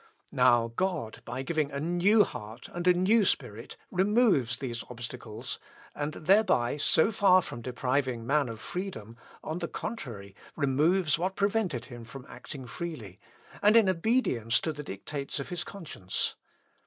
Now, God, by giving a new heart and a new spirit, removes those obstacles, and thereby so far from depriving man of freedom, on the contrary, removes what prevented him from acting freely, and in obedience to the dictates of his conscience.